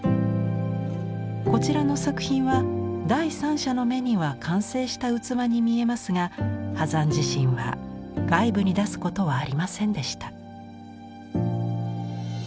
こちらの作品は第三者の目には完成した器に見えますが波山自身は外部に出すことはありませんでした。